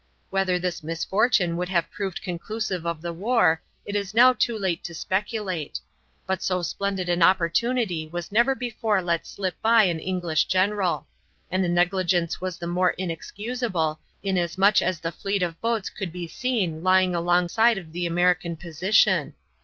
Whether this misfortune would have proved conclusive of the war it is now too late to speculate; but so splendid an opportunity was never before let slip by an English general, and the negligence was the more inexcusable inasmuch as the fleet of boats could be seen lying alongside of the American position.